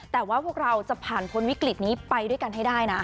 แต่ว่าพวกเราจะผ่านพ้นวิกฤตนี้ไปด้วยกันให้ได้นะ